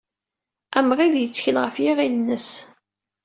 Amɣid yettkel ɣef yiɣil-nnes.